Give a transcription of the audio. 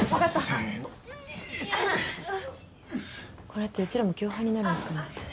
これってうちらも共犯になるんすかね？